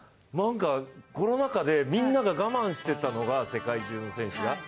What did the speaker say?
コロナ禍でみんなが我慢していたのが、世界中の選手が。